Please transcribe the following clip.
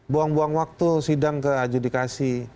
buang buang waktu sidang ke adjudikasi